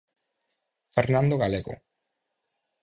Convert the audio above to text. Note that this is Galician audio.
Fernando Galego.